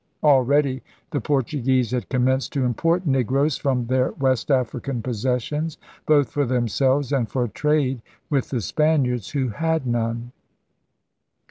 Already the Portu guese had commenced to import negroes from their West African possessions, both for themselves and for trade with the Spaniards, who had none.